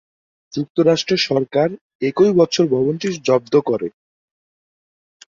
যুক্তরাষ্ট্র সরকার একই বছর ভবনটি জব্দ করে।